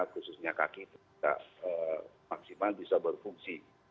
khususnya kaki itu tidak maksimal bisa berfungsi